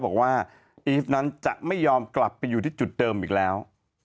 บอกว่าอีฟนั้นจะไม่ยอมกลับไปอยู่ที่จุดเดิมอีกแล้ว